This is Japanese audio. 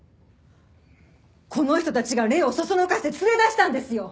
この人たちが礼をそそのかして連れ出したんですよ！？